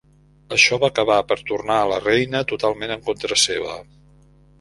Això va acabar per tornar a la reina totalment en contra seva.